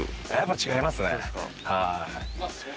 全然違いますね。